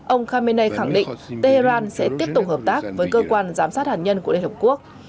ông khamenei khẳng định tehran sẽ tiếp tục hợp tác với cơ quan giám sát hạt nhân của liên hợp quốc